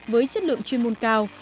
với chất lượng chuyên môn cao